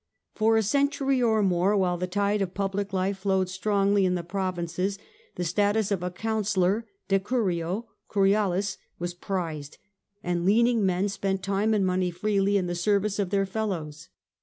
For a century or more, while the tide of public life flowed strongly in the provinces, the status of a councillor (decurio, curialis) was prized, and leading men spent time and money freely in the service of their fellows.